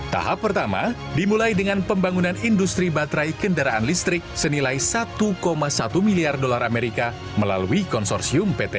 tahap pertama dimulai dengan pembangunan industri baterai kendaraan listrik senilai satu satu miliar dolar amerika melalui konsorsium pt